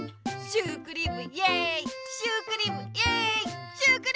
シュークリームイエイ！